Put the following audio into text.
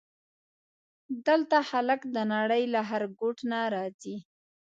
دلته خلک د نړۍ له هر ګوټ نه راځي.